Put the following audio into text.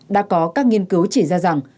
đã có các nghiên cứu chỉ ra rằng